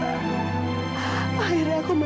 aku menemukan kota dari sahabatmu